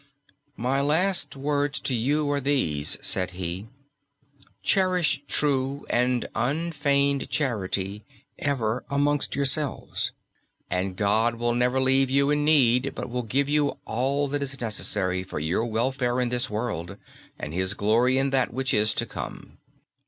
"My last words to you are these," said he. "Cherish true and unfeigned charity ever amongst yourselves, and God will never leave you in need, but will give you all that is necessary for your welfare in this world, and His glory in that which is to come."